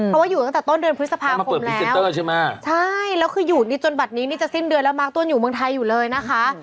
เพราะว่าอยู่ตั้งแต่ต้นเดือนพฤษภาคมแล้วใช่ไหมใช่แล้วคืออยู่นี่จนบัตรนี้นี่จะสิ้นเดือนแล้วมาร์คต้นอยู่เมืองไทยอยู่เลยนะคะ